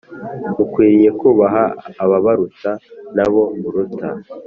mukwiriye kubaha ababaruta nabo muruta